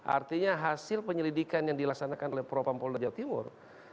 artinya hasil penyelidikan yang dilaksanakan oleh propam polda jawa timur